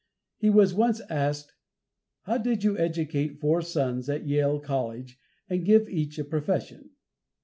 He was once asked, "How did you educate four sons at Yale College, and give each a profession?"